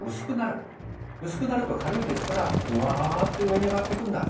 薄くなると軽いですからふわって上に上がっていくんだ。